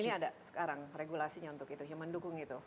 dan ini ada sekarang regulasinya untuk itu yang mendukung itu